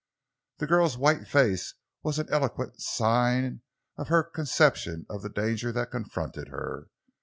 The girl's white face was an eloquent sign of her conception of the danger that confronted her.